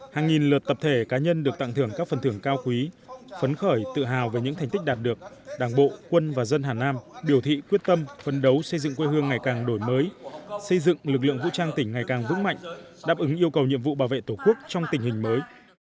hàng nghìn lượt tập thể cá nhân được tặng thưởng các phần thưởng cao quý phấn khởi tự hào về những thành tích đạt được đảng bộ quân và dân hà nam biểu thị quyết tâm phân đấu xây dựng quê hương ngày càng đổi mới xây dựng lực lượng vũ trang tỉnh ngày càng vững mạnh đáp ứng yêu cầu nhiệm vụ bảo vệ tổ quốc trong tình hình mới